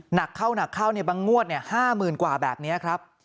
หนักเข้าหนักเข้าบางงวด๕๐๐๐กว่าแบบนี้ครับ